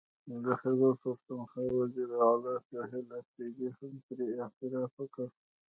د خیبر پښتونخوا وزیر اعلی سهیل اپريدي هم پرې اعتراف وکړ